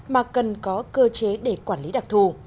mà cần có cơ chế để quản lý đặc thù